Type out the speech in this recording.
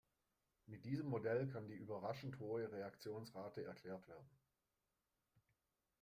Mit diesem Modell kann die überraschend hohe Reaktionsrate erklärt werden.